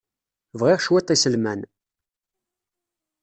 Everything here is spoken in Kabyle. Bɣiɣ cwiṭ n yiselman.